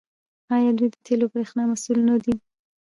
آیا دوی د تیلو او بریښنا مسوول نه دي؟